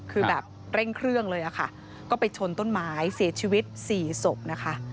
คือแบบเร่งเครื่องเลยค่ะก็ไปชนต้นไม้เสียชีวิต๔ศพนะคะ